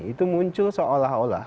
itu muncul seolah olah